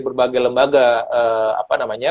berbagai lembaga apa namanya